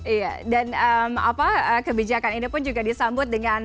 iya dan kebijakan ini pun juga disambut dengan